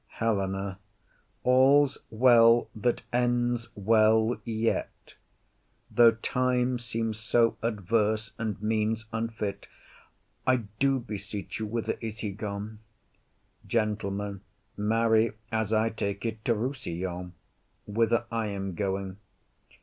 HELENA. All's well that ends well yet, Though time seem so adverse and means unfit. I do beseech you, whither is he gone? GENTLEMAN. Marry, as I take it, to Rossillon; Whither I am going.